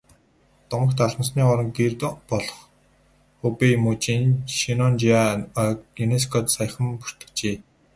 Домогт алмасны орон гэр болох Хубэй мужийн Шеннонжиа ойг ЮНЕСКО-д саяхан бүртгүүлжээ.